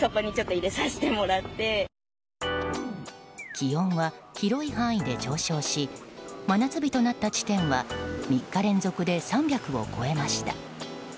気温は広い範囲で上昇し真夏日となった地点は３日連続で３００を超えました。